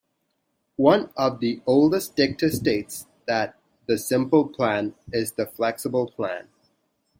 One of the oldest dicta states that the simple plan is the flexible plan.